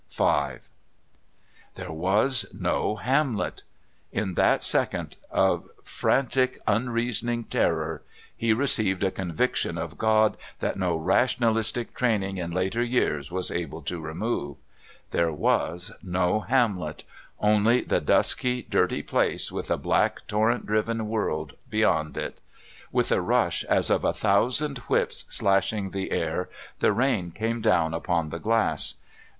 V There was no Hamlet! In that second of frantic unreasoning terror he received a conviction of God that no rationalistic training in later years was able to remove. There was no Hamlet! only the dusky dirty place with a black torrent driven world beyond it. With a rush as of a thousand whips slashing the air, the rain came down upon the glass.